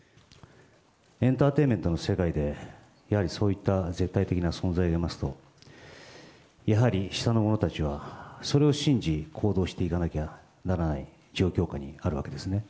エンターテインメントの世界で、やはりそういった絶対的な存在を見ますと、やはり下の者たちはそれを信じ、行動していかなきゃならない状況下にあるわけですね。